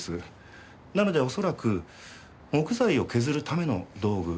なので恐らく木材を削るための道具